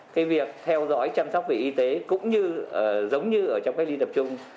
cái việc theo dõi chăm sóc về y tế cũng như giống như ở trong cách ly tập trung